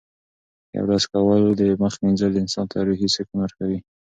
د اودس کول او د مخ مینځل انسان ته روحي سکون ورکوي.